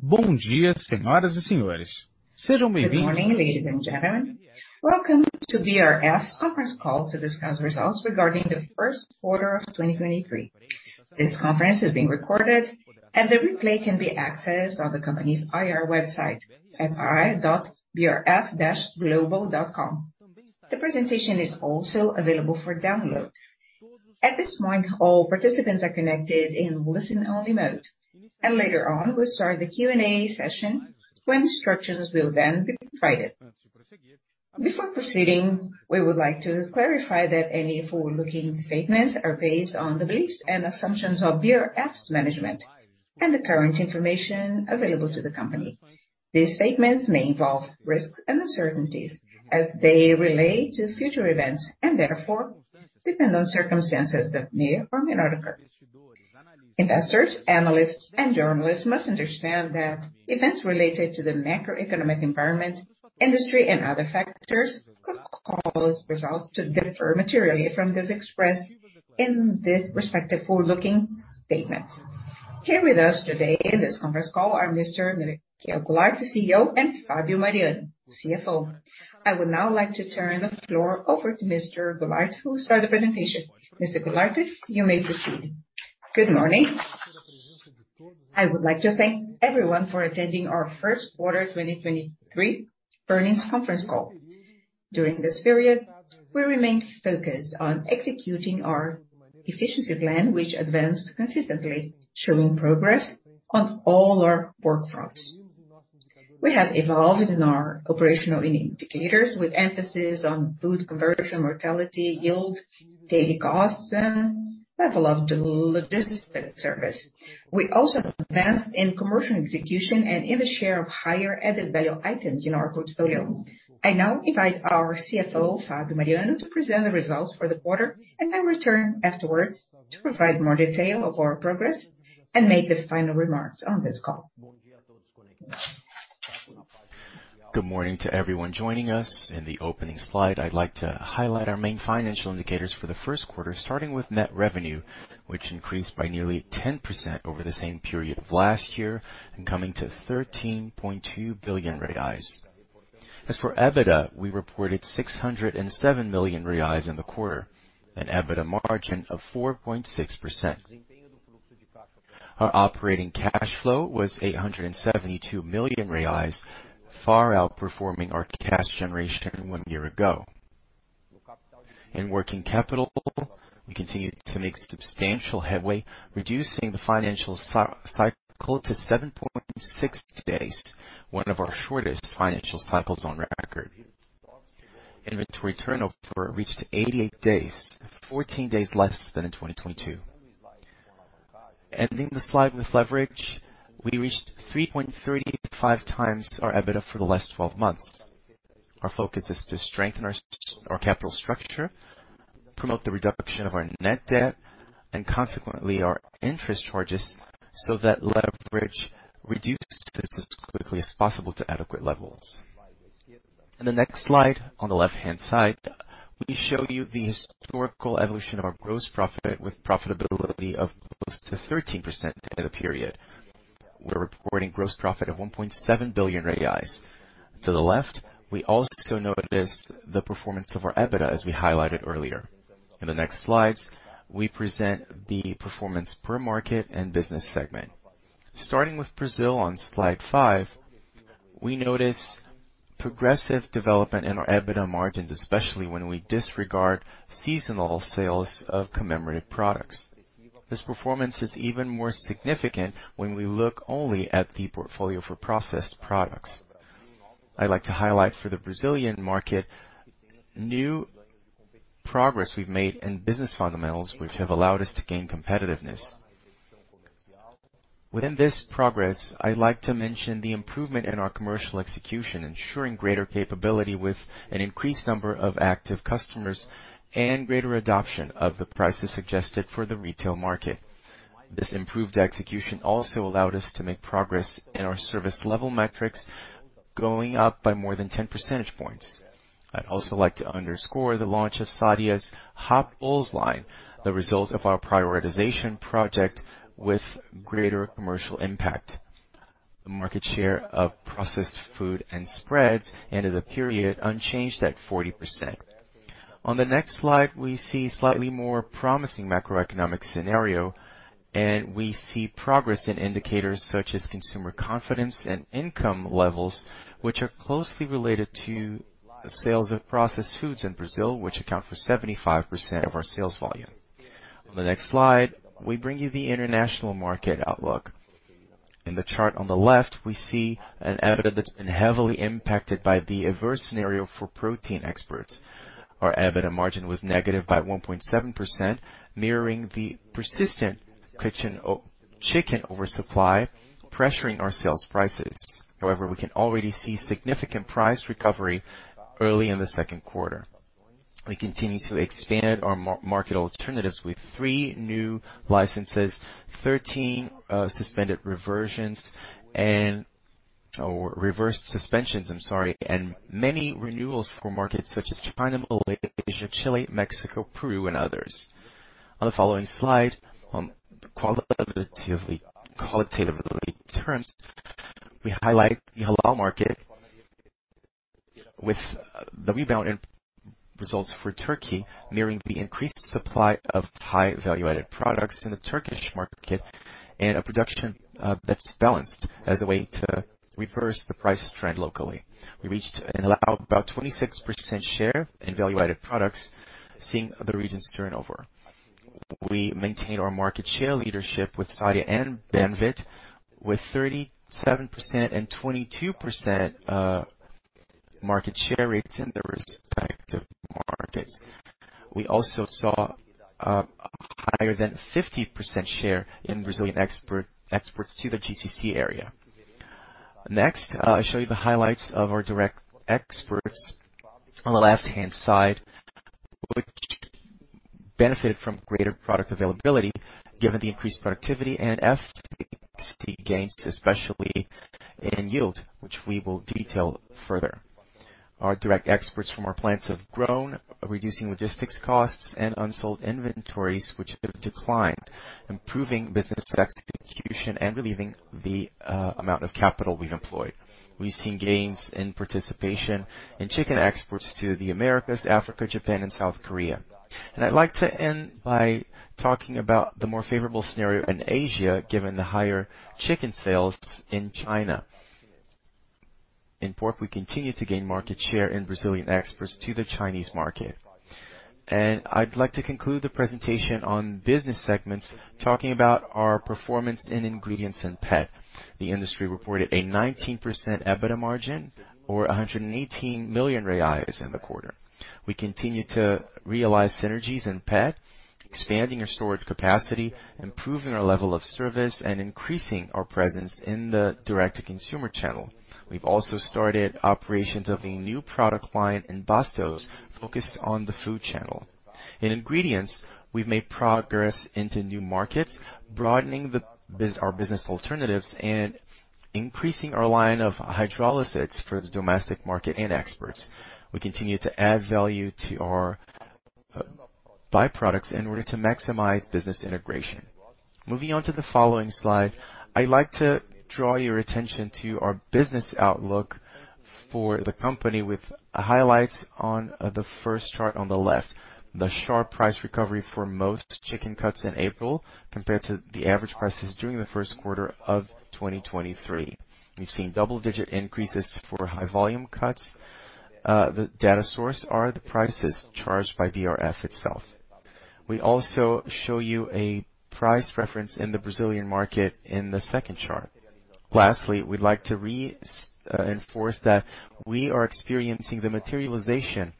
Good morning, ladies and gentlemen. Welcome to BRF's conference call to discuss results regarding the Q1 of 2023. This conference is being recorded and the replay can be accessed on the company's IR website at ir.brf-global.com. The presentation is also available for download. At this point, all participants are connected in listen-only mode. Later on we'll start the Q&A session when instructions will then be provided. Before proceeding, we would like to clarify that any forward-looking statements are based on the beliefs and assumptions of BRF's management and the current information available to the company. These statements may involve risks and uncertainties as they relate to future events and therefore depend on circumstances that may or may not occur. Investors, analysts, and journalists must understand that events related to the macroeconomic environment, industry, and other factors could cause results to differ materially from those expressed in the respective forward-looking statements. Here with us today in this conference call are Mr. Miguel Gularte, the CEO, and Fábio Mariano, CFO. I would now like to turn the floor over to Mr. Gularte who will start the presentation. Mr. Gularte, you may proceed. Good morning. I would like to thank everyone for attending our Q1 2023 earnings conference call. During this period, we remained focused on executing our efficiency plan, which advanced consistently, showing progress on all our work fronts. We have evolved in our operational indicators with emphasis on feed conversion, mortality yield, daily costs, and level of logistic service. We also advanced in commercial execution and in the share of higher added value items in our portfolio. I now invite our CFO, Fábio Mariano, to present the results for the quarter and then return afterwards to provide more detail of our progress and make the final remarks on this call. Good morning to everyone joining us. In the opening slide, I'd like to highlight our main financial indicators for the Q1, starting with net revenue, which increased by nearly 10% over the same period of last year and coming to 13.2 billion reais. EBITDA, we reported 607 million reais in the quarter, an EBITDA margin of 4.6%. Our operating cash flow was 872 million reais, far outperforming our cash generation one year ago. Working capital, we continued to make substantial headway, reducing the financial cycle to 7.6 days, one of our shortest financial cycles on record. Inventory turnover reached 88 days, 14 days less than in 2022. Ending the slide with leverage, we reached 3.35x our EBITDA for the last 12 months. Our focus is to strengthen our capital structure, promote the reduction of our net debt and consequently our interest charges, that leverage reduces as quickly as possible to adequate levels. In the next slide, on the left-hand side, we show you the historical evolution of our gross profit with profitability of close to 13% end of the period. We're reporting gross profit of 1.7 billion reais. To the left, we also notice the performance of our EBITDA, as we highlighted earlier. In the next slides, we present the performance per market and business segment. Starting with Brazil on slide 5, we notice progressive development in our EBITDA margins, especially when we disregard seasonal sales of commemorative products. This performance is even more significant when we look only at the portfolio for processed products. I'd like to highlight for the Brazilian market new progress we've made in business fundamentals, which have allowed us to gain competitiveness. Within this progress, I'd like to mention the improvement in our commercial execution, ensuring greater capability with an increased number of active customers and greater adoption of the prices suggested for the retail market. This improved execution also allowed us to make progress in our service level metrics, going up by more than 10 percentage points. I'd also like to underscore the launch of Sadia's Hot Bowls line, the result of our prioritization project with greater commercial impact. The market share of processed food and spreads end of the period unchanged at 40%. On the next slide, we see slightly more promising macroeconomic scenario. We see progress in indicators such as consumer confidence and income levels, which are closely related to sales of processed foods in Brazil, which account for 75% of our sales volume. On the next slide, we bring you the international market outlook. In the chart on the left, we see an EBITDA that's been heavily impacted by the adverse scenario for protein exports. Our EBITDA margin was negative by 1.7%, mirroring the persistent chicken oversupply, pressuring our sales prices. However, we can already see significant price recovery early in the Q2. We continue to expand our market alternatives with three new licenses, 13 suspended reversions Or reverse suspensions, I'm sorry, and many renewals for markets such as China, Malaysia, Chile, Mexico, Peru, and others. On the following slide, qualitatively terms, we highlight the Halal market with the rebound in results for Turkey, mirroring the increased supply of high value-added products in the Turkish market and a production that's balanced as a way to reverse the price trend locally. We reached about 26% share in value-added products, seeing other regions turnover. We maintain our market share leadership with Sadia and Banvit with 37% and 22% market share rates in their respective markets. We also saw higher than 50% share in Brazilian exports to the GCC area. Next, I'll show you the highlights of our direct exports on the left-hand side, which benefited from greater product availability given the increased productivity and efficacy gains, especially in yield, which we will detail further. Our direct exports from our plants have grown, reducing logistics costs and unsold inventories, which have declined, improving business execution and relieving the amount of capital we've employed. We've seen gains in participation in chicken exports to the Americas, Africa, Japan, and South Korea. I'd like to end by talking about the more favorable scenario in Asia, given the higher chicken sales in China. In pork, we continue to gain market share in Brazilian exports to the Chinese market. I'd like to conclude the presentation on business segments talking about our performance in ingredients and pet. The industry reported a 19% EBITDA margin or 118 million reais in the quarter. We continue to realize synergies in pet, expanding our storage capacity, improving our level of service, and increasing our presence in the direct-to-consumer channel. We've also started operations of a new product line in Bastos focused on the food channel. In ingredients, we've made progress into new markets, broadening our business alternatives and increasing our line of hydrolysates for the domestic market and exports. We continue to add value to our byproducts in order to maximize business integration. Moving on to the following slide, I'd like to draw your attention to our business outlook for the company with highlights on the first chart on the left. The sharp price recovery for most chicken cuts in April compared to the average prices during the Q1 of 2023. We've seen double-digit increases for high volume cuts. The data source are the prices charged by BRF itself. We also show you a price reference in the Brazilian market in the second chart. Lastly, we'd like to enforce that we are experiencing the materialization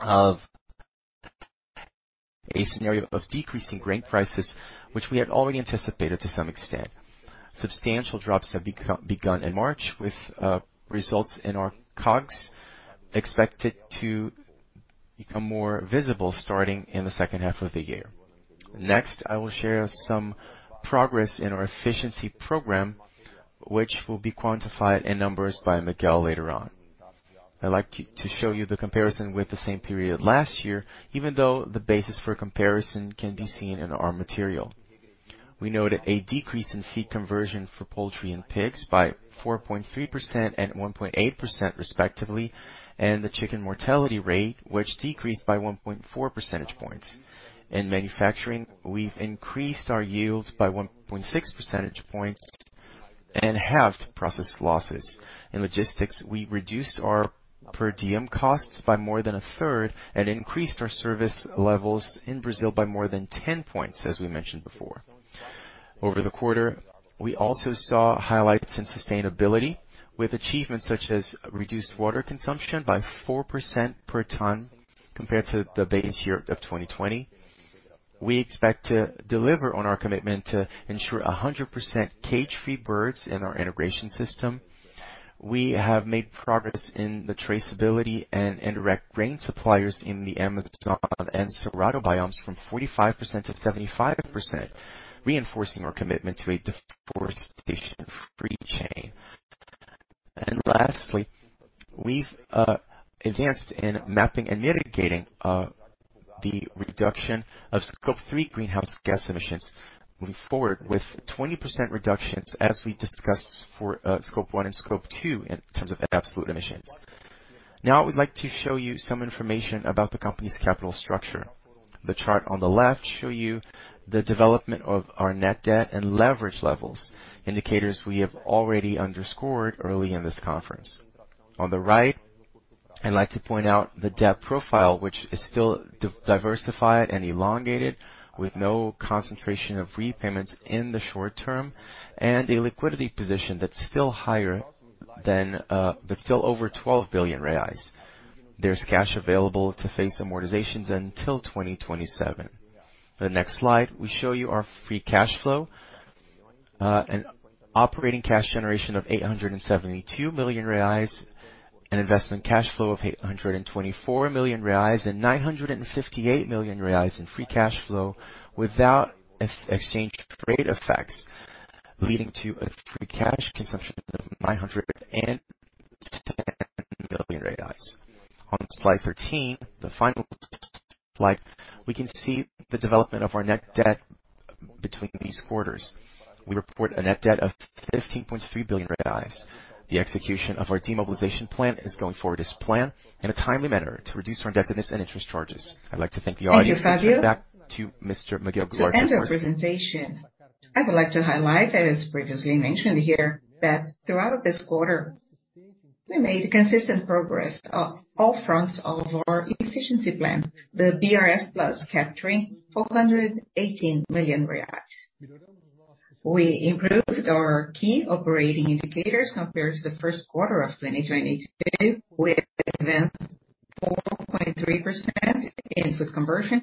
of a scenario of decreasing grain prices, which we had already anticipated to some extent. Substantial drops have begun in March with results in our COGS expected to become more visible starting in the second half of the year. Next, I will share some progress in our efficiency program, which will be quantified in numbers by Miguel later on. I'd like to show you the comparison with the same period last year, even though the basis for comparison can be seen in our material. We noted a decrease in feed conversion for poultry and pigs by 4.3% and 1.8% respectively, and the chicken mortality rate, which decreased by 1.4 percentage points. In manufacturing, we've increased our yields by 1.6 percentage points and halved process losses. In logistics, we reduced our per diem costs by more than a third and increased our service levels in Brazil by more than 10 points, as we mentioned before. Over the quarter, we also saw highlights in sustainability with achievements such as reduced water consumption by 4% per ton compared to the base year of 2020. We expect to deliver on our commitment to ensure 100% cage-free birds in our integration system. We have made progress in the traceability and indirect grain suppliers in the Amazon and Cerrado biomes from 45% to 75%, reinforcing our commitment to a deforestation-free chain. Lastly, we've advanced in mapping and mitigating the reduction of Scope 3 greenhouse gas emissions moving forward with 20% reductions, as we discussed for Scope 1 and Scope 2 in terms of absolute emissions. I would like to show you some information about the company's capital structure. The chart on the left show you the development of our net debt and leverage levels, indicators we have already underscored early in this conference. I'd like to point out the debt profile, which is still diversified and elongated with no concentration of repayments in the short term and a liquidity position that's still higher than, but still over 12 billion reais. There's cash available to face amortizations until 2027. We show you our free cash flow and operating cash generation of 872 million reais. An investment cash flow of 824 million reais and 958 million reais in free cash flow without exchange rate effects, leading to a free cash consumption of 910 million BRL. On slide 13, the final slide, we can see the development of our net debt between these quarters. We report a net debt of 15.3 billion BRL. The execution of our demobilization plan is going forward as planned in a timely manner to reduce our indebtedness and interest charges. I'd like to thank the audience and hand it back to Mr. Miguel Gularte. Thank you, Fábio. To end our presentation, I would like to highlight, as previously mentioned here, that throughout this quarter, we made consistent progress of all fronts of our efficiency plan, the BRF+, capturing 418 million reais. We improved our key operating indicators compared to the Q1 of 2022, we advanced 4.3% in feed conversion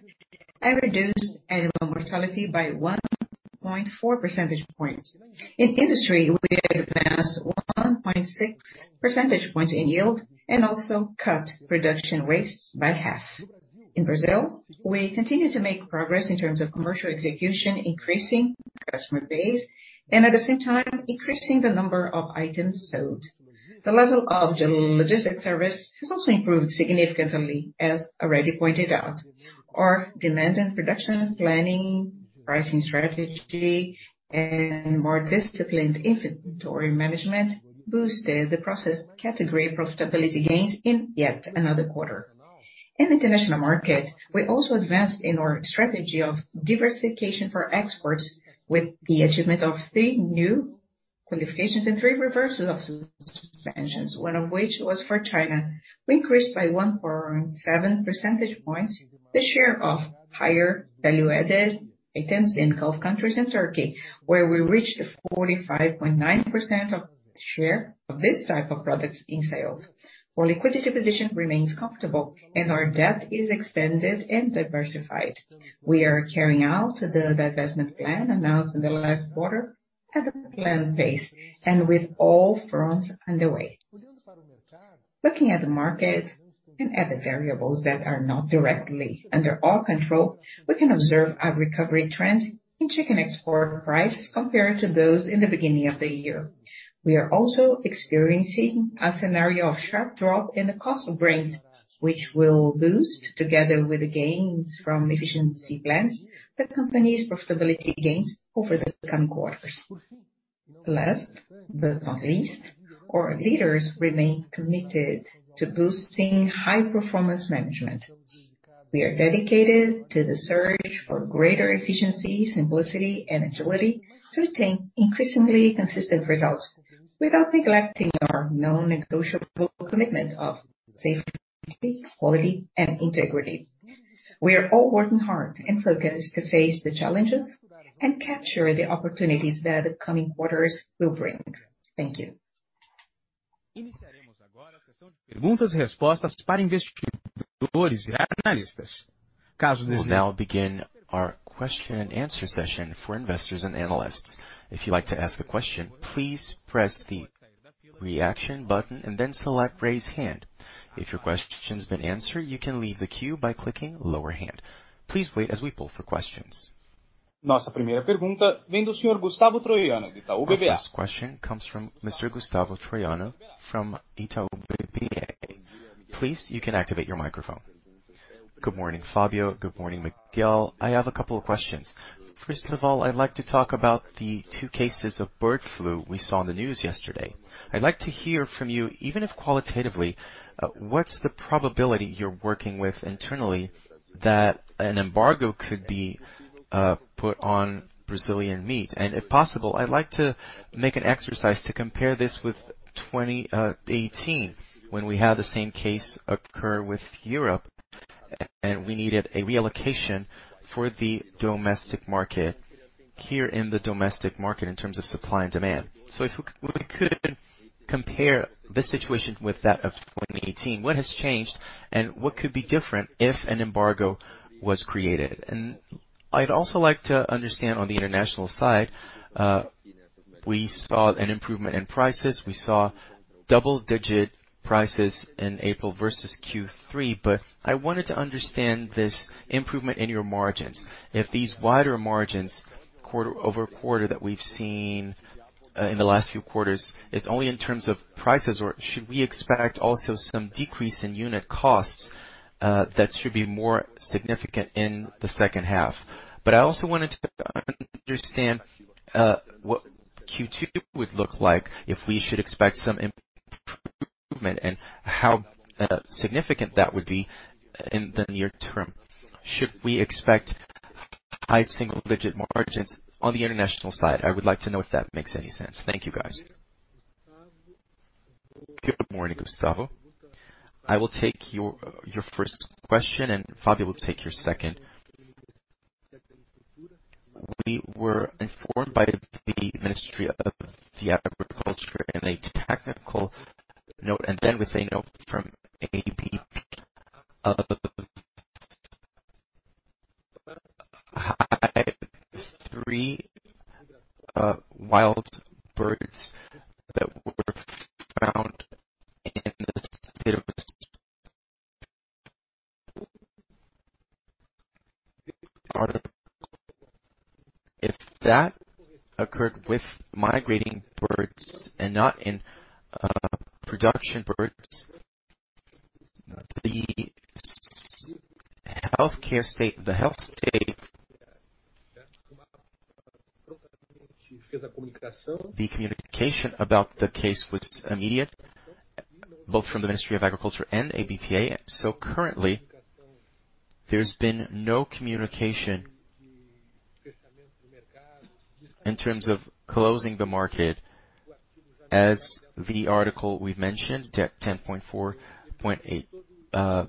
and reduced animal mortality by 1.4 percentage points. In industry, we advanced 1.6 percentage points in yield and also cut production waste by half. In Brazil, we continue to make progress in terms of commercial execution, increasing customer base and at the same time increasing the number of items sold. The level of the logistics service has also improved significantly, as already pointed out. Our demand and production planning, pricing strategy, more disciplined inventory management boosted the process category profitability gains in yet another quarter. In the international market, we also advanced in our strategy of diversification for exports with the achievement of three new qualifications and three reversals of suspensions, one of which was for China. We increased by 1.7 percentage points the share of higher value-added items in Gulf countries in Turkey, where we reached 45.9% of share of this type of products in sales. Our liquidity position remains comfortable and our debt is extended and diversified. We are carrying out the divestment plan announced in the last quarter at a planned pace and with all fronts underway. Looking at the market and at the variables that are not directly under our control, we can observe a recovery trend in chicken export prices compared to those in the beginning of the year. We are also experiencing a scenario of sharp drop in the cost of grains, which will boost together with the gains from efficiency plans, the company's profitability gains over the coming quarters. Last but not least, our leaders remain committed to boosting high-performance management. We are dedicated to the search for greater efficiency, simplicity and agility to attain increasingly consistent results without neglecting our non-negotiable commitment of safety, quality, and integrity. We are all working hard and focused to face the challenges and capture the opportunities that the coming quarters will bring. Thank you. We'll now begin our question and answer session for investors and analysts. If you'd like to ask a question, please press the reaction button and then select Raise Hand. If your question's been answered, you can leave the queue by clicking Lower Hand. Please wait as we poll for questions. Our first question comes from Mr. Gustavo Troiano from Itaú BBA. Please, you can activate your microphone. Good morning, Fabio. Good morning, Miguel. I have a couple of questions. First of all, I'd like to talk about the two cases of bird flu we saw in the news yesterday. I'd like to hear from you, even if qualitatively, what's the probability you're working with internally that an embargo could be put on Brazilian meat? If possible, I'd like to make an exercise to compare this with 2018 when we had the same case occur with Europe, we needed a reallocation for the domestic market in terms of supply and demand. If we could compare the situation with that of 2018, what has changed and what could be different if an embargo was created? I'd also like to understand on the international side, we saw an improvement in prices. We saw double-digit prices in April versus Q3. I wanted to understand this improvement in your margins. If these wider margins quarter-over-quarter that we've seen in the last few quarters is only in terms of prices, or should we expect also some decrease in unit costs that should be more significant in the second half? I also wanted to understand what Q2 would look like if we should expect some improvement and how significant that would be in the near term. Should we expect high single-digit margins on the international side? I would like to know if that makes any sense. Thank you, guys. Good morning, Gustavo. I will take your first question and Fábio will take your second. We were informed by the Ministry of Agriculture in a technical note, and then with a note from ABPA have three wild birds that were found in the state of If that occurred with migrating birds and not in production birds, the health state. The communication about the case was immediate, both from the Ministry of Agriculture and ABPA. Currently, there's been no communication in terms of closing the market as the article we've mentioned, ten point four point eight,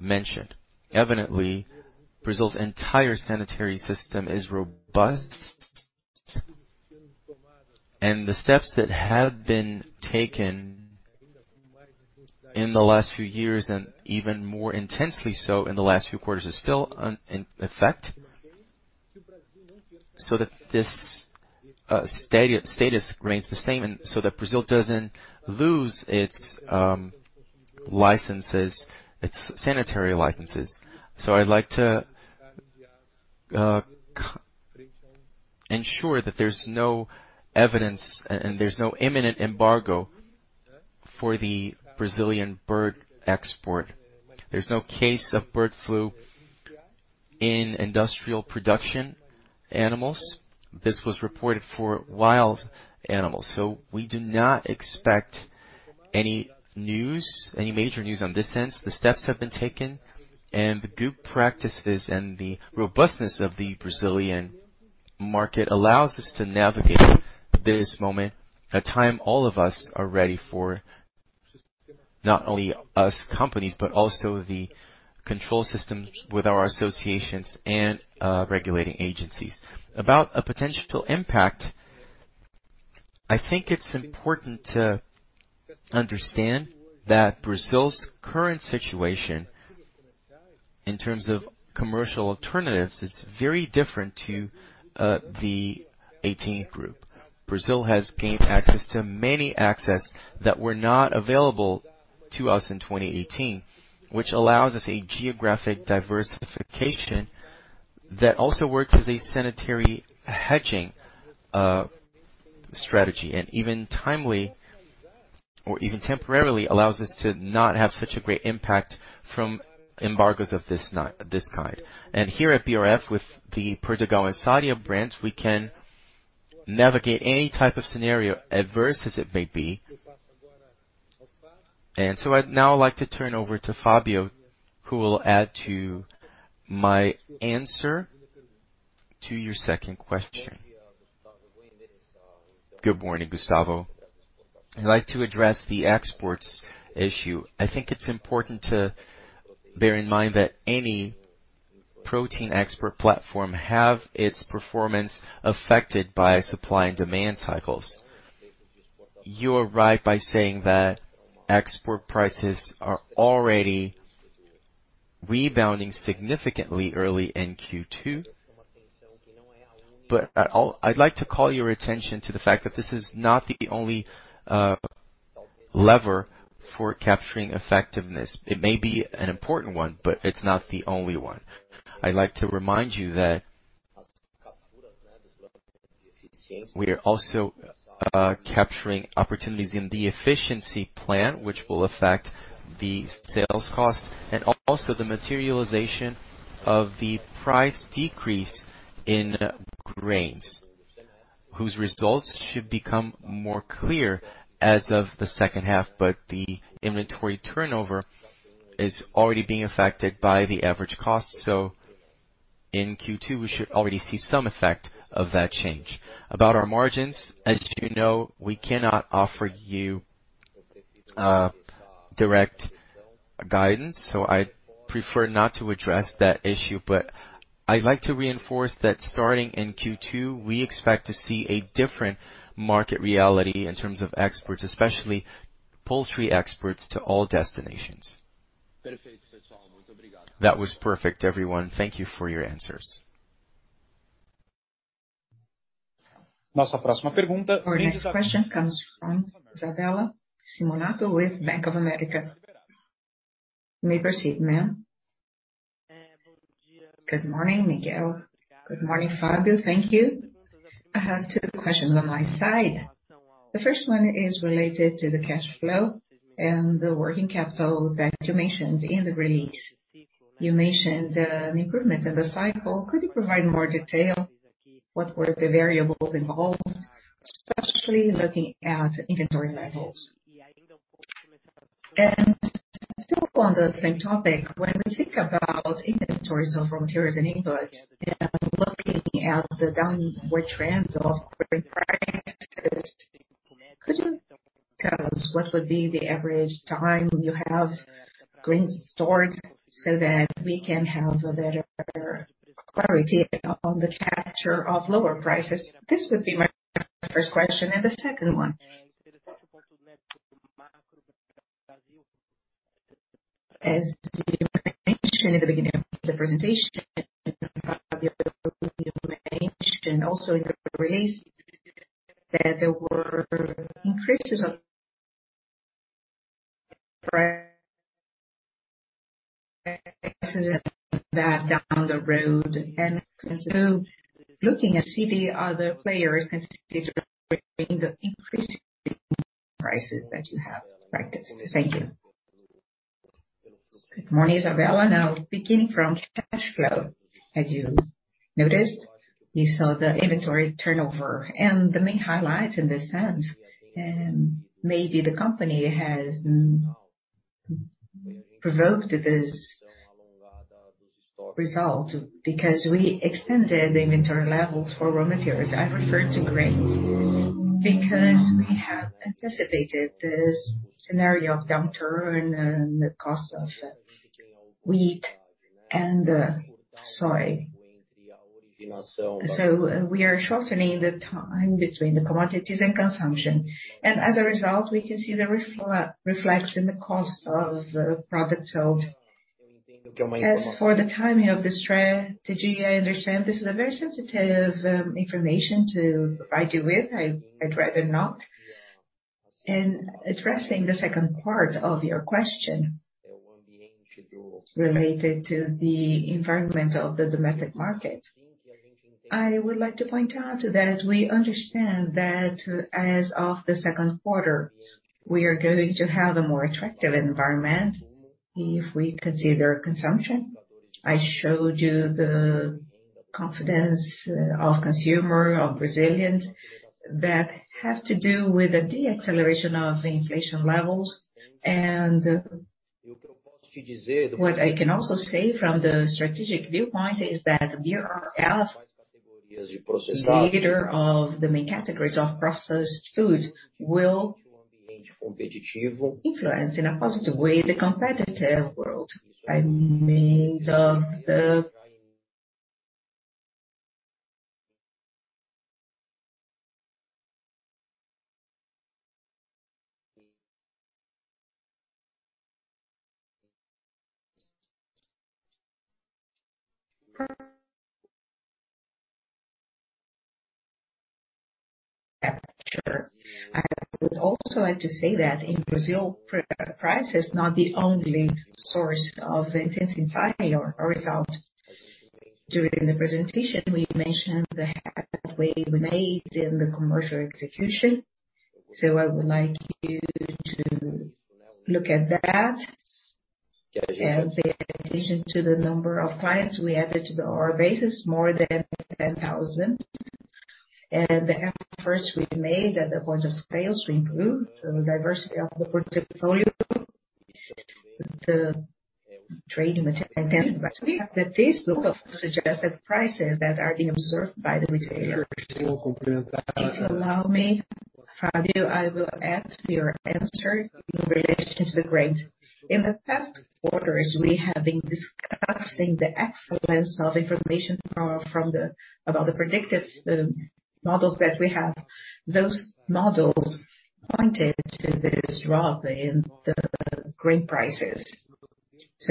mentioned. Evidently, Brazil's entire sanitary system is robust. The steps that have been taken in the last few years, and even more intensely so in the last few quarters, is still in effect, so that this status remains the same, and so that Brazil doesn't lose its licenses, its sanitary licenses. I'd like to ensure that there's no evidence and there's no imminent embargo for the Brazilian bird export. There's no case of bird flu in industrial production animals. This was reported for wild animals, so we do not expect any major news on this sense. The steps have been taken, the good practices and the robustness of the Brazilian market allows us to navigate this moment, a time all of us are ready for, not only us companies, but also the control systems with our associations and regulating agencies. About a potential impact, I think it's important to understand that Brazil's current situation in terms of commercial alternatives is very different to the 18th group. Brazil has gained access to many access that were not available to us in 2018, which allows us a geographic diversification that also works as a sanitary hedging strategy, and even timely or even temporarily allows us to not have such a great impact from embargoes of this kind. Here at BRF, with the Perdigão and Sadia brands, we can navigate any type of scenario, adverse as it may be. I'd now like to turn over to Fábio, who will add to my answer to your second question. Good morning, Gustavo. I'd like to address the exports issue. I think it's important to bear in mind that any protein export platform have its performance affected by supply and demand cycles. You are right by saying that export prices are already rebounding significantly early in Q2. I'd like to call your attention to the fact that this is not the only lever for capturing effectiveness. It may be an important one, but it's not the only one. I'd like to remind you that we are also capturing opportunities in the efficiency plan, which will affect the sales costs and also the materialization of the price decrease in grains, whose results should become more clear as of the second half. The inventory turnover is already being affected by the average cost. In Q2, we should already see some effect of that change. About our margins, as you know, we cannot offer you direct guidance, so I prefer not to address that issue. I'd like to reinforce that starting in Q2, we expect to see a different market reality in terms of exports, especially poultry exports to all destinations. That was perfect, everyone. Thank you for your answers. Our next question comes from Isabella Simonato with Bank of America. You may proceed, ma'am. Good morning, Miguel. Good morning, Fábio. Thank you. I have two questions on my side. The first one is related to the cash flow and the working capital that you mentioned in the release. You mentioned an improvement in the cycle. Could you provide more detail? What were the variables involved, especially looking at inventory levels? Still on the same topic, when we think about inventories of raw materials and inputs, and looking at the downward trends of grain prices, could you tell us what would be the average time you have grains stored so that we can have a better clarity on the capture of lower prices? This would be my first question, and the second one. As you mentioned in the beginning of the presentation, you mentioned also in the release that there were increases of that down the road. Looking at CD, other players considering the increasing prices that you have practiced. Thank you. Good morning, Isabella. Now beginning from cash flow, as you noticed, you saw the inventory turnover and the main highlights in this sense. Maybe the company has provoked this result because we extended the inventory levels for raw materials. I referred to grains because we have anticipated this scenario of downturn and the cost of wheat and soy. We are shortening the time between the commodities and consumption. As a result, we can see the reflection, the cost of products sold. As for the timing of the strat, did you understand this is a very sensitive information to provide you with? I'd rather not. Addressing the second part of your question related to the environment of the domestic market, I would like to point out that we understand that as of the Q2, we are going to have a more attractive environment if we consider consumption. I showed you the confidence of consumer, of Brazilians that have to do with the deacceleration of inflation levels. What I can also say from the strategic viewpoint is that BRF, leader of the main categories of processed foods, will influence in a positive way the competitive world. I mean, the I would also like to say that in Brazil, price is not the only source of intensifying our result. During the presentation, we mentioned the halfway we made in the commercial execution. I would like you to look at that. Pay attention to the number of clients we added to the R basis, more than 10,000. The efforts we made at the point of sales to improve the diversity of the portfolio, the trade suggested prices that are being observed by the retailers. If you allow me, Fábio, I will add your answer in relation to the grains. In the past quarters we have been discussing the excellence of information from about the predictive models that we have. Those models pointed to this drop in the grain prices.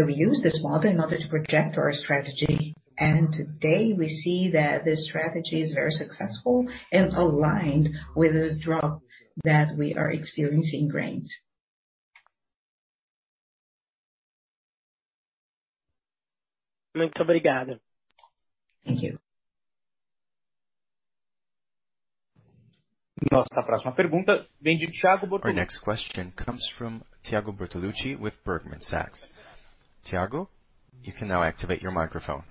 We use this model in order to project our strategy. Today we see that this strategy is very successful and aligned with the drop that we are experiencing in grains. Thank you. Our next question comes from Thiago Bertolucci with Goldman Sachs. Tiago, you can now activate your microphone.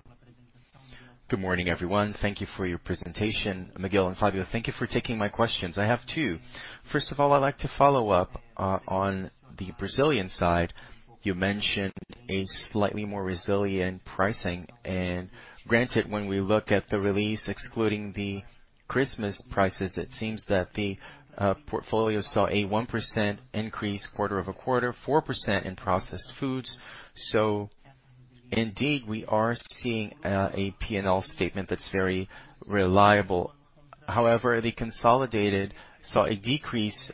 Good morning, everyone. Thank you for your presentation. Miguel and Fabio, thank you for taking my questions. I have two. First of all, I'd like to follow up on the Brazilian side. You mentioned a slightly more resilient pricing. Granted, when we look at the release, excluding the Christmas prices, it seems that the portfolio saw a 1% increase quarter-over-quarter, 4% in processed foods. Indeed, we are seeing a P&L statement that's very reliable. However, the consolidated saw a decrease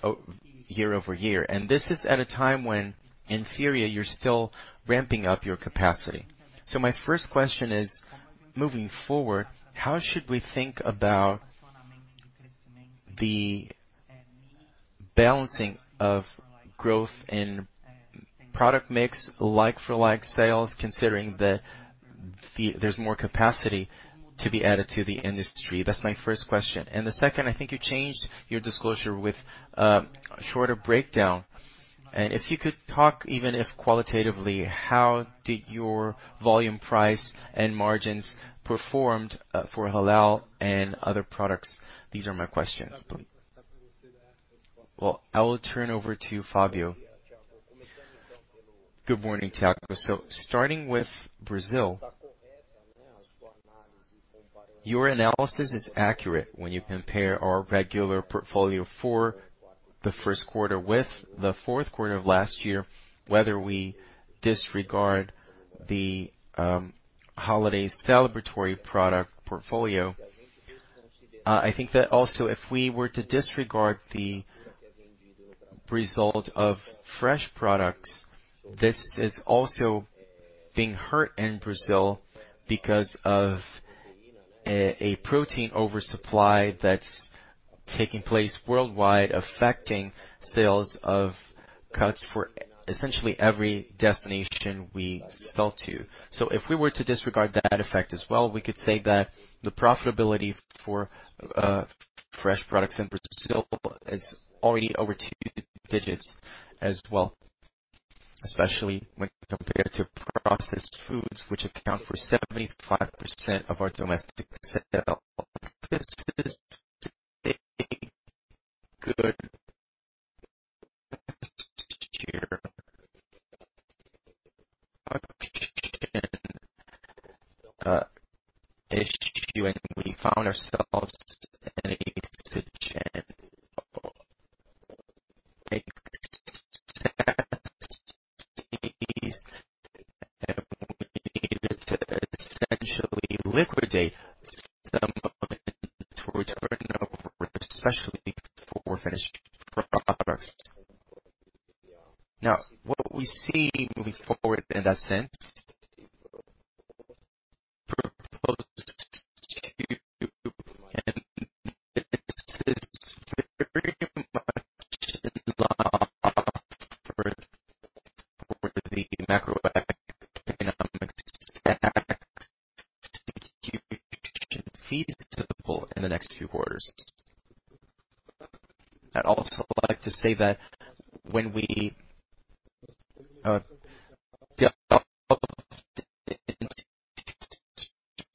year-over-year, and this is at a time when in theory you're still ramping up your capacity. My first question is, moving forward, how should we think about the balancing of growth in product mix, like for like sales, considering that there's more capacity to be added to the industry? That's my first question. The second, I think you changed your disclosure with a shorter breakdown. If you could talk, even if qualitatively, how did your volume price and margins performed for Halal and other products? These are my questions. Well, I will turn over to Fábio. Good morning, Thiago. Starting with Brazil, your analysis is accurate when you compare our regular portfolio for the Q1 with the 4th quarter of last year, whether we disregard the holiday celebratory product portfolio. I think that also, if we were to disregard the result of fresh products, this is also being hurt in Brazil because of a protein oversupply that's taking place worldwide, affecting sales of cuts for essentially every destination we sell to. If we were to disregard that effect as well, we could say the profitability for fresh products in Brazil is already over two digits as well, especially when compared to processed foods, which account for 75% of our domestic sales. This is a good issue. We found ourselves in a situation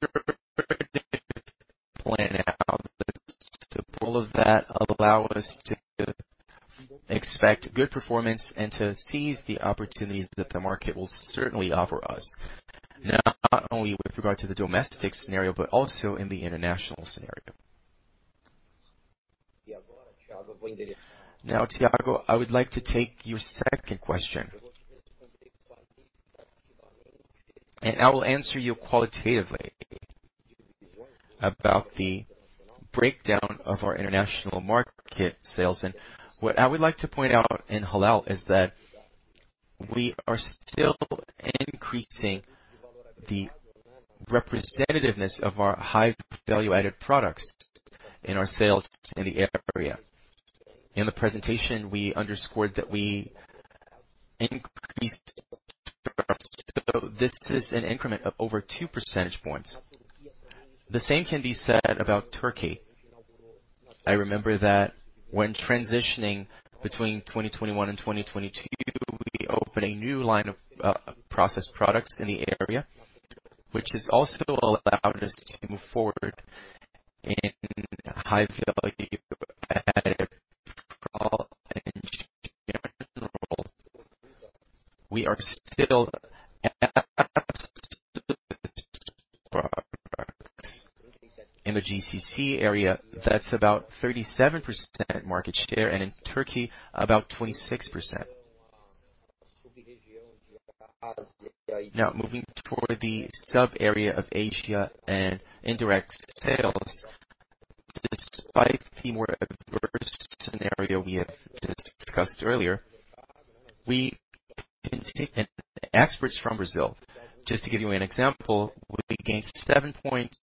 of excess and we needed to essentially liquidate some of inventory turnover, especially for finished products. Now, what we see moving forward in that sense and this is very much in line for the macroeconomic situation feasible in the next few quarters. I'd also like to say that when we plan out the support of that allow us to expect good performance and to seize the opportunities that the market will certainly offer us, not only with regard to the domestic scenario, but also in the international scenario. Now, Tiago, I would like to take your second question. I will answer you qualitatively about the breakdown of our international market sales. What I would like to point out in Halal is that we are still increasing the representativeness of our high value-added products in our sales in the area. In the presentation, we underscored that we increased. This is an increment of over 2 percentage points. The same can be said about Turkey. I remember that when transitioning between 2021 and 2022, we opened a new line of processed products in the area, which has also allowed us to move forward in high value-added products in general. We are still in the GCC area. That's about 37% market share, and in Turkey, about 26%. Moving toward the sub-area of Asia and indirect sales. Despite the more adverse scenario we have discussed earlier, we continued exports from Brazil. Just to give you an example, we gained seven points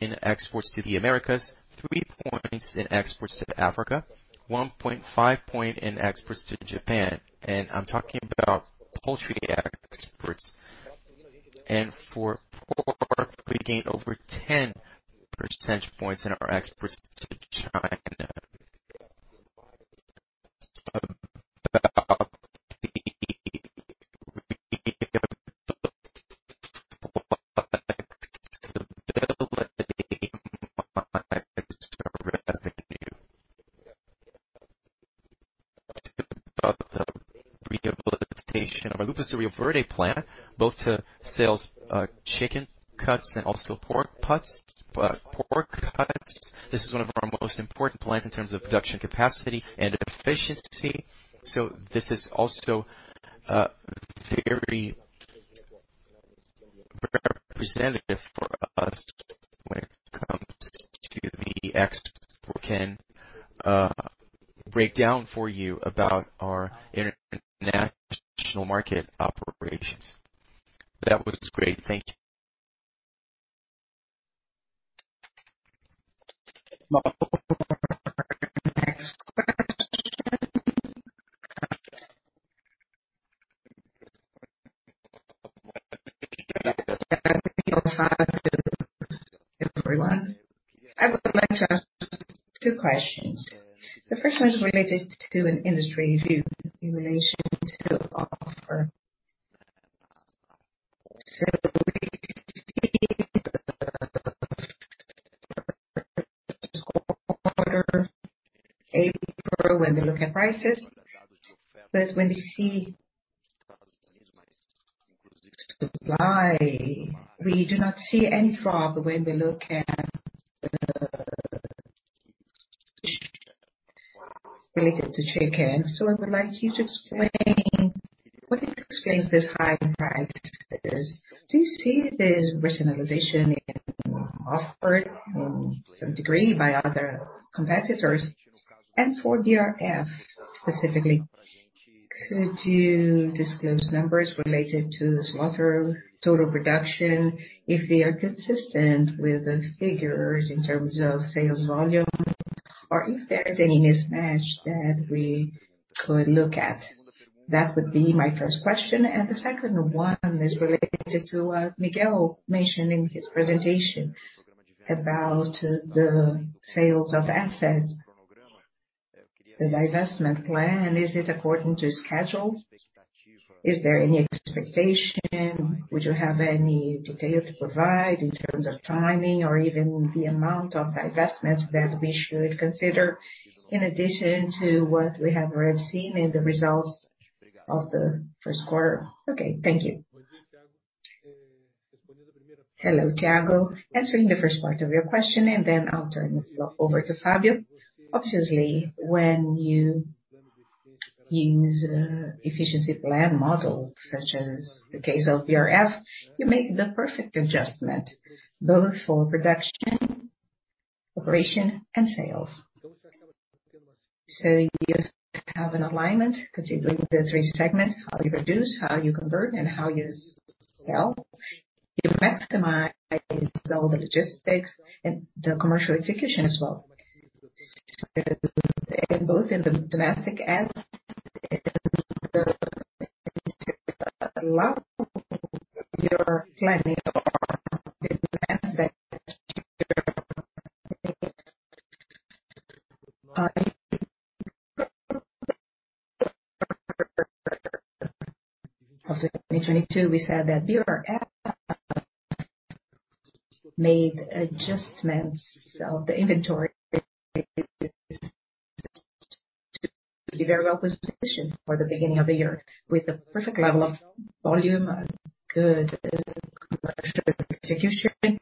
in exports to the Americas, 3 points in exports to Africa, 1.5 points in exports to Japan. I'm talking about poultry exports. For pork, we gained over 10 percentage points in our exports to China. Revenue. Talking about the rehabilitation of our Lucas do Rio Verde plant, both to sales, chicken cuts and also pork cuts. This is one of our most important plants in terms of production capacity and efficiency. This is also very representative for us when it comes to the export. Can break down for you about our international market operations. That was great. Thank you. Everyone. I would like to ask two questions. The first one is related to an industry review in relation to offer when we look at prices, but when we see supply, we do not see any drop when we look at. Related to chicken. I would like you to explain what explains this high prices? Do you see this rationalization being offered in some degree by other competitors? For BRF specifically, could you disclose numbers related to slaughter total production if they are consistent with the figures in terms of sales volume or if there is any mismatch that we could look at? That would be my first question. The second one is related to Miguel mentioned in his presentation about the sales of assets. The divestment plan, is it according to schedule? Is there any expectation? Would you have any detail to provide in terms of timing or even the amount of divestments that we should consider in addition to what we have already seen in the results of the Q1? Okay. Thank you. Hello, Thiago. Answering the first part of your question, then I'll turn it over to Fábio. Obviously, when you use efficiency plan model such as the case of BRF, you make the perfect adjustment both for production, operation and sales. You have an alignment considering the three segments, how you produce, how you convert and how you sell. You maximize all the logistics and the commercial execution as well. Both in the domestic and the allow your planning of 2022 we said that BRF made adjustments of the inventory to be very well-positioned for the beginning of the year with the perfect level of volume and good commercial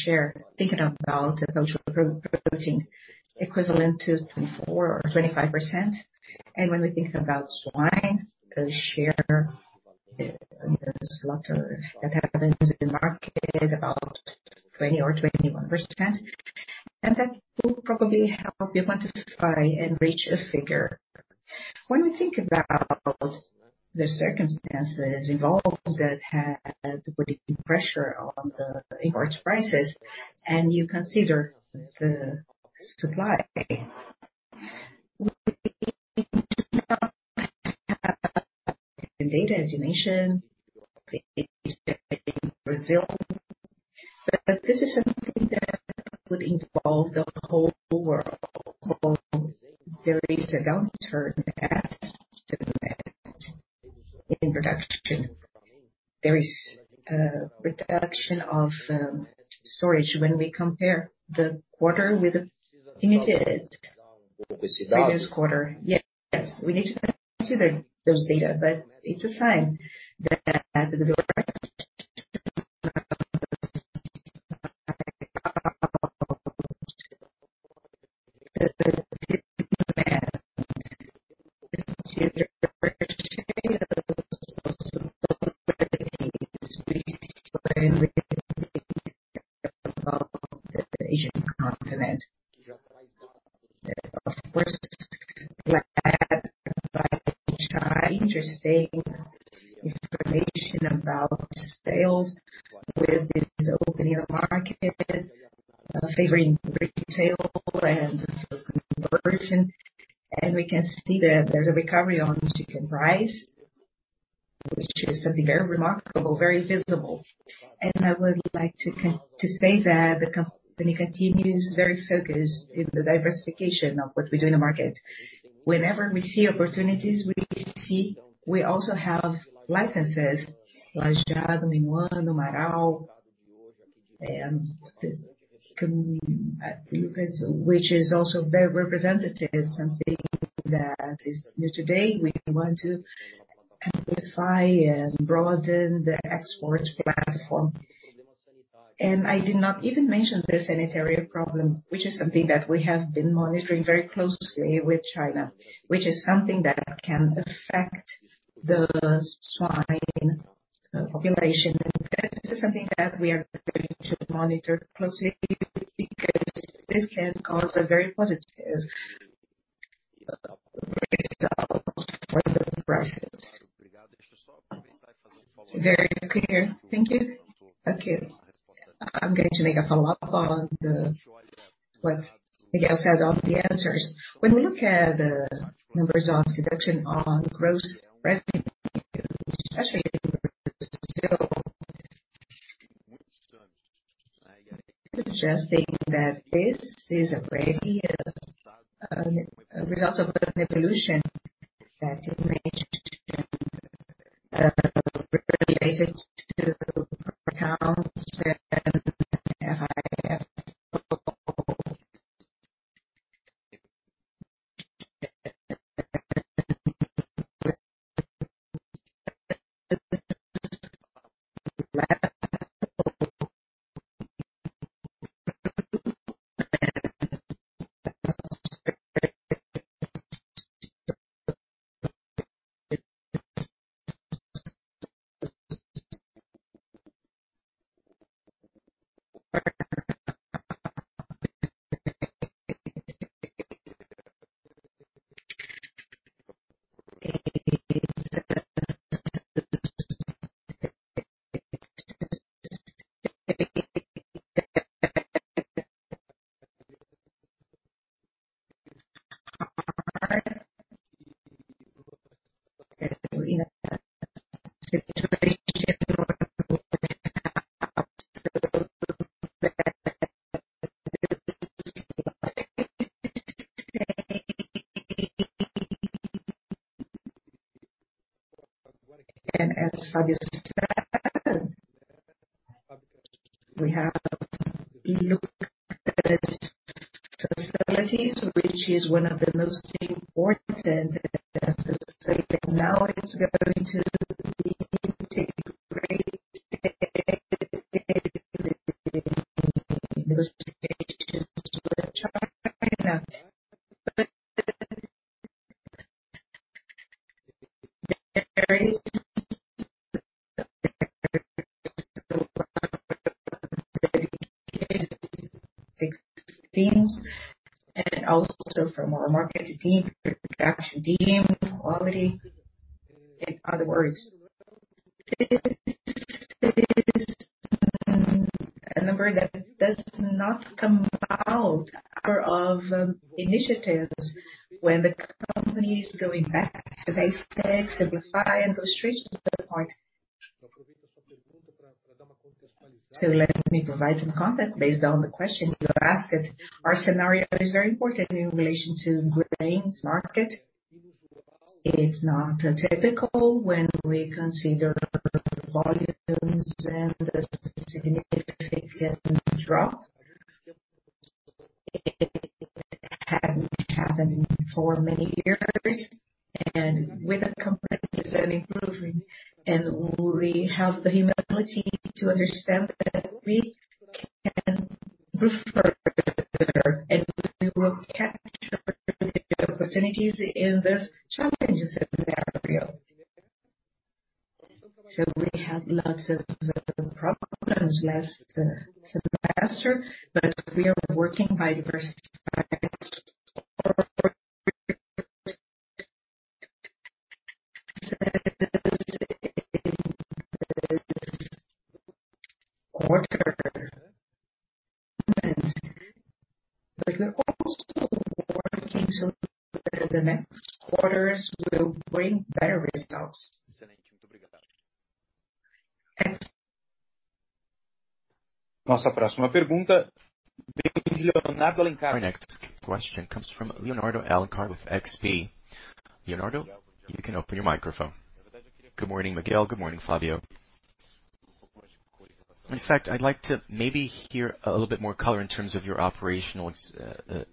execution with the He will answer your second question. Thank you, Thiago. Adding to the first answer, the information related to the slaughter processes. Our position in this regard has not changed in any significant manner. You can consider a share, thinking about the total pro-protein equivalent to 24% or 25%. When we think about swine, the share in the slaughter that happens in the market is about 20% or 21%. That will probably help you quantify and reach a figure. When we think about the circumstances involved that had putting pressure on the imports prices and you consider the supply data as you mentioned in Brazil. This is something that would involve the whole world. There is a downturn as to the in production. There is a reduction of storage when we compare the quarter with the previous quarter. Yes, we need to consider those data, but it's a sign that the door the Asian continent. Of course, we had by China interesting information about sales with this opening of market favoring retail and conversion. We can see that there's a recovery on the chicken price, which is something very remarkable, very visible. I would like to say that the company continues very focused in the diversification of what we do in the market. Whenever we see opportunities, we also have licenses like Jade, Minuano, Marau, and Lucas, which is also very representative, something that is new today. We want to amplify and broaden the export platform. I did not even mention the sanitary problem, which is something that we have been monitoring very closely with China, which is something that can affect the swine population. This is something that we are going to monitor closely because this can cause a very positive result for the prices. Very clear. Thank you. Okay. I'm going to make a follow-up on what Miguel said on the answers. When we look at the numbers on reduction on gross revenue, especially still suggesting that this is a very result of an evolution that you made related to accounts and higher. As Fábio Mariano said, we have looked at facilities, which is one of the most important. Now it's going to be integrated in those stages. Also from our market team, production team, quality. In other words, this is a number that does not come out of initiatives when the company is going back. As I said, simplify and go straight to the point. Let me provide some context based on the question you asked. Our scenario is very important in relation to grains market. It's not typical when we consider volumes and the significant drop. It hadn't happened for many years. With the company is improving, and we have the humility to understand that we can do further and we will capture the opportunities in this challenging scenario. We had lots of problems last semester, but we are working by diversifying quarter. We're also working so that the next quarters will bring better results. Our next question comes from Leonardo Alencar with XP. Leonardo, you can open your microphone. Good morning, Miguel. Good morning, Fábio. In fact, I'd like to maybe hear a little bit more color in terms of your operational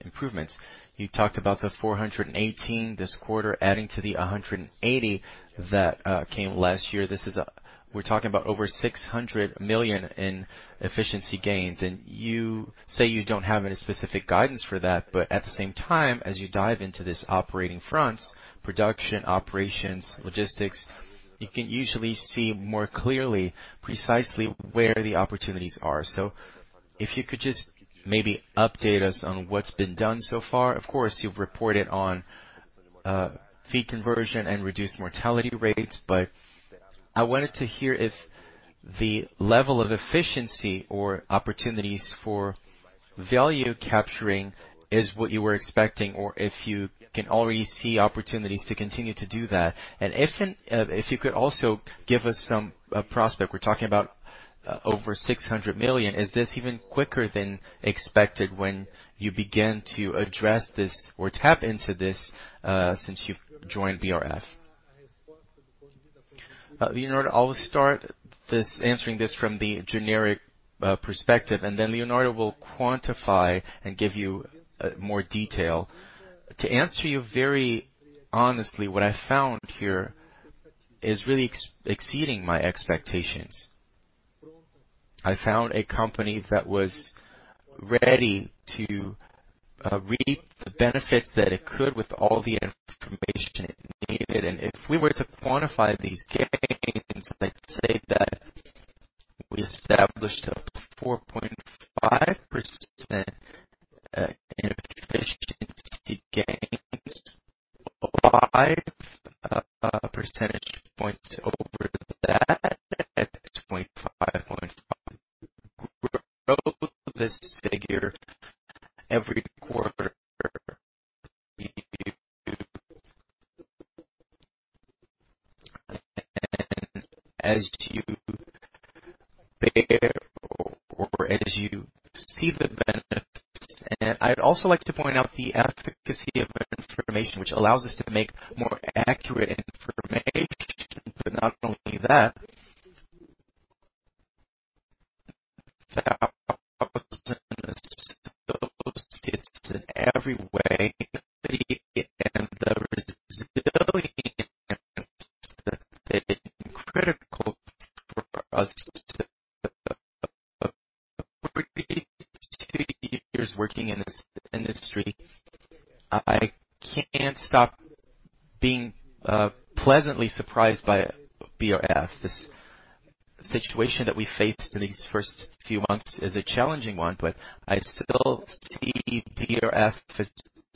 improvements. You talked about the 418 this quarter, adding to the 180 that came last year. This is We're talking about over 600 million in efficiency gains. You say you don't have any specific guidance for that. At the same time, as you dive into this operating fronts, production, operations, logistics, you can usually see more clearly precisely where the opportunities are. If you could just maybe update us on what's been done so far. Of course, you've reported on feed conversion and reduced mortality rates. I wanted to hear if the level of efficiency or opportunities for value capturing is what you were expecting or if you can already see opportunities to continue to do that. If you could also give us some prospect. We're talking about over 600 million. Is this even quicker than expected when you begin to address this or tap into this since you've joined BRF? Leonardo, I'll start answering this from the generic perspective, and then Leonardo will quantify and give you more detail. To answer you very honestly, what I found here is really exceeding my expectations. I found a company that was ready to reap the benefits that it could with all the information it needed. If we were to quantify these gains, let's say that we established a 4.5% efficiency gains, 5 percentage points over that at 25.1% growth. This figure every quarter. As you bear or as you see the benefits. I'd also like to point out the efficacy of information which allows us to make more accurate information. Not only that. Thousands of those hits in every way. The resilience has been critical for us to create two years working in this industry. I can't stop being pleasantly surprised by BRF. This situation that we faced in these first few months is a challenging one. I still see BRF as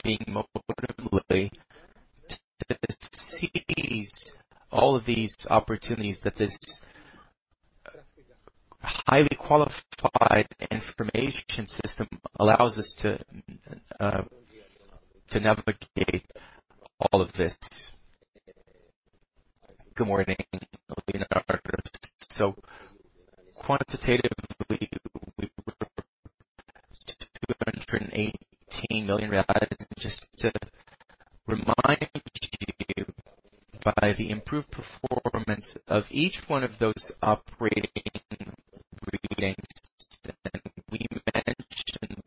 being moderately to seize all of these opportunities that this highly qualified information system allows us to navigate all of this. Good morning, Leonardo Alencar. Quantitatively we were 218 million reais. Just to remind you by the improved performance of each one of those operating gains that we mentioned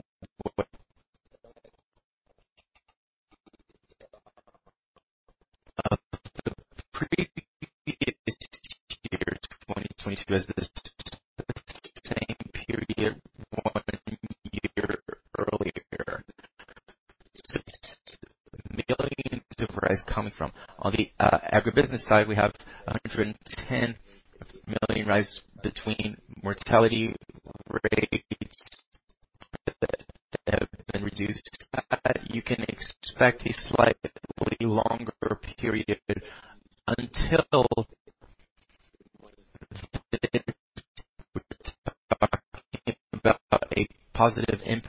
was... Of the previous year to 2022 as the same period one year earlier. 6 million super reais coming from. On the agribusiness side, we have 110 million between mortality rates that have been reduced. You can expect a slightly longer period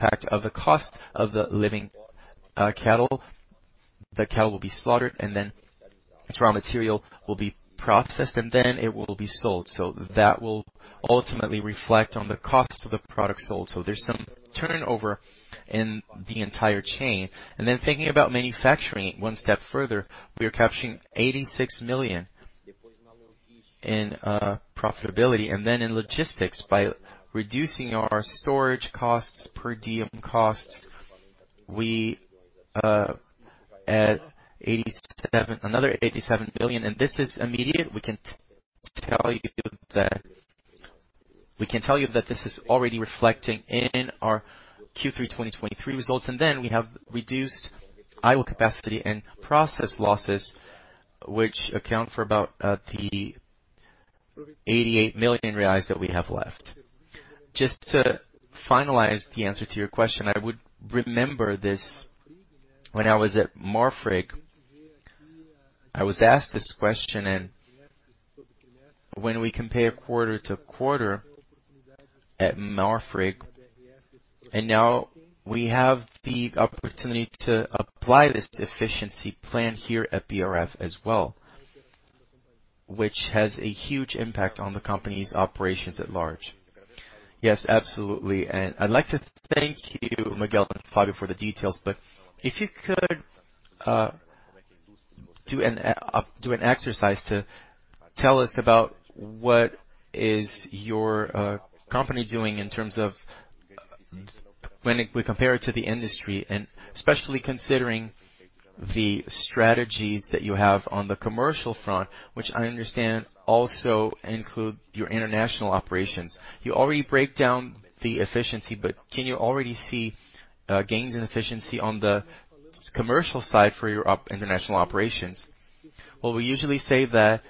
until the Well, we usually say that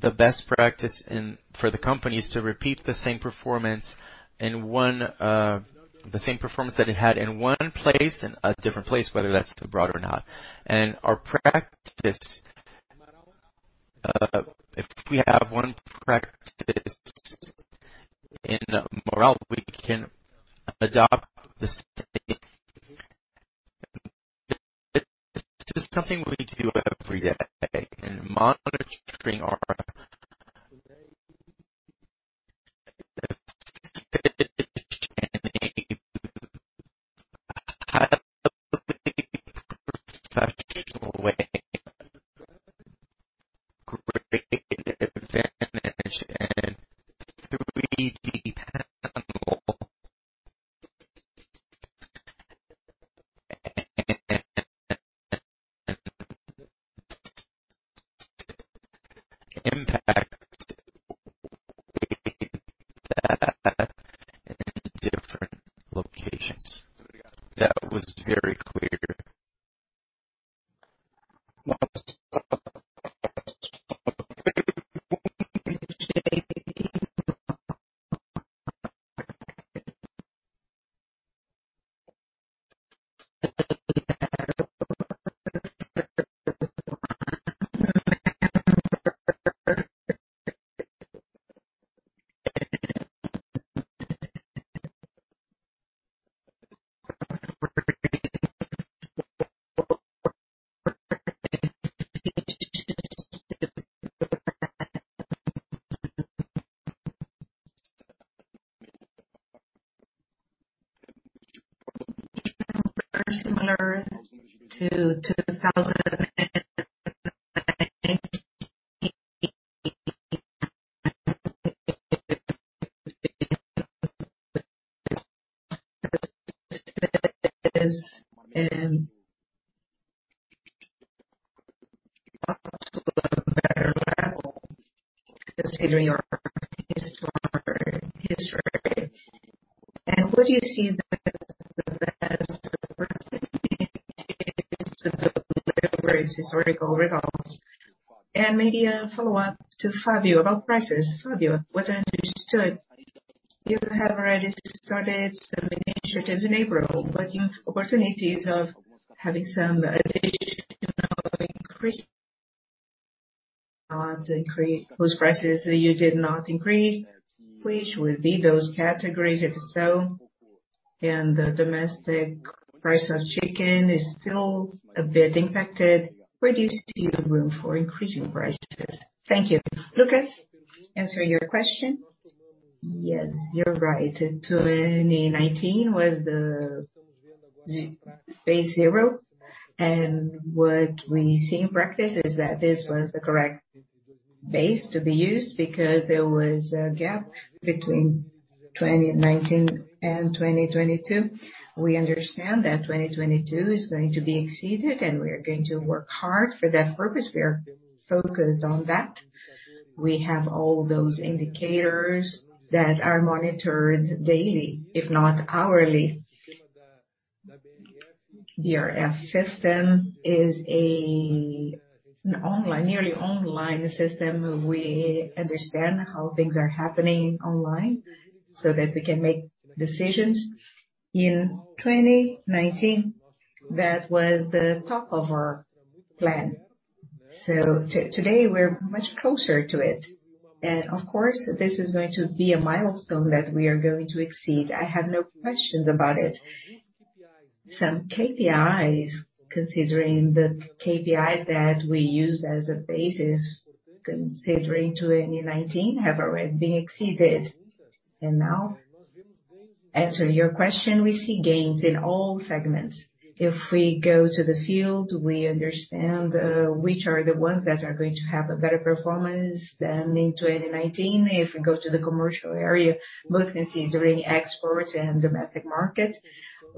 the best practice for the company is to repeat the same performance in one, the same performance that it had in one place, in a different place, whether that's abroad or not. Our practice, if we have one practice in Morrell, we can adopt the same. This is something we do every day in monitoring our professional way. Great advantage and 3 DP. Impact in different locations. That was very clear. Very similar to 2,000 and considering our historic history. Would you see that as historical results? Maybe a follow-up to Fábio about prices. Fábio, what I understood, you have already started some initiatives in April, but opportunities of having some additional increase those prices that you did not increase, which would be those categories, if so. The domestic price of chicken is still a bit impacted. Where do you see room for increasing prices? Thank you. Lucas, answer your question. Yes, you're right. In 2019 was the z-base hero, what we see in practice is that this was the correct base to be used because there was a gap between 2019 and 2022. We understand that 2022 is going to be exceeded and we are going to work hard for that purpose. We are focused on that. We have all those indicators that are monitored daily, if not hourly. BRF system is a nearly online system. We understand how things are happening online so that we can make decisions. In 2019, that was the top of our plan. Today, we're much closer to it. Of course, this is going to be a milestone that we are going to exceed. I have no questions about it. Some KPIs, considering the KPIs that we used as a basis, considering 2019, have already been exceeded. Now, answer your question, we see gains in all segments. If we go to the field, we understand which are the ones that are going to have a better performance than in 2019. If we go to the commercial area, both considering export and domestic market,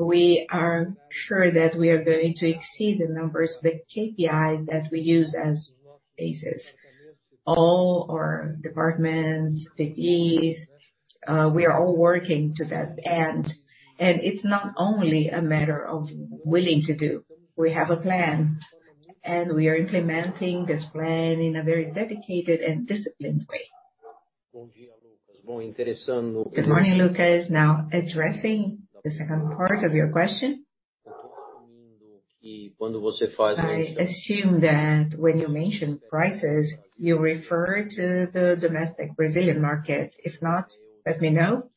we are sure that we are going to exceed the numbers, the KPIs that we use as basis. All our departments, VPs, we are all working to that end. It's not only a matter of willing to do. We have a plan, and we are implementing this plan in a very dedicated and disciplined way. Good morning, Lucas. Now addressing the second part of your question. I assume that when you mention prices, you refer to the domestic Brazilian market. If not, let me know.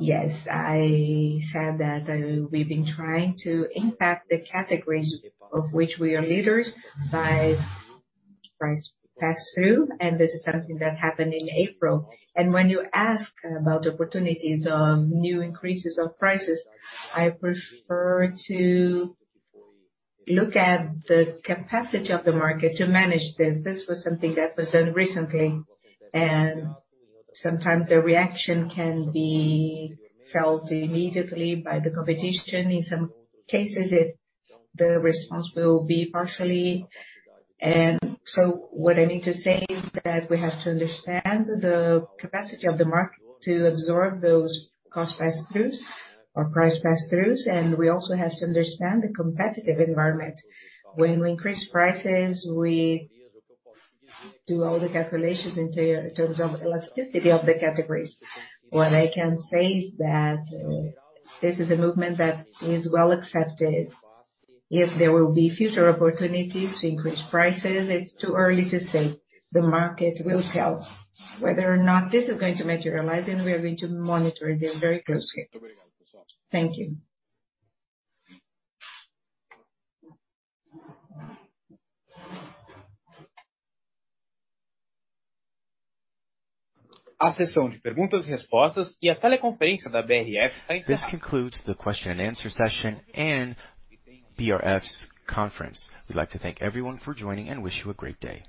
Yes, I said that, we've been trying to impact the categories of which we are leaders by price pass-through. This is something that happened in April. When you ask about opportunities of new increases of prices, I prefer to look at the capacity of the market to manage this. This was something that was done recently, and sometimes the reaction can be felt immediately by the competition. In some cases, it the response will be partially. What I mean to say is that we have to understand the capacity of the market to absorb those cost pass-throughs or price pass-throughs. We also have to understand the competitive environment. When we increase prices, we do all the calculations in terms of elasticity of the categories. What I can say is that this is a movement that is well accepted. If there will be future opportunities to increase prices, it's too early to say. The market will tell whether or not this is going to materialize, and we are going to monitor this very closely. Thank you. This concludes the question and answer session and BRF's conference. We'd like to thank everyone for joining and wish you a great day.